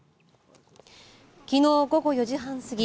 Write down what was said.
昨日午後４時半過ぎ